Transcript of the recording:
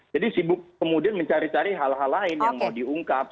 jadi sibuk kemudian mencari cari hal hal lain yang mau diungkap